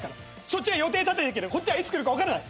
そっちは予定立ててるけどこっちはいつ来るか分からない。